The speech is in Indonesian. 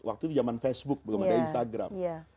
waktu itu zaman facebook belum ada instagram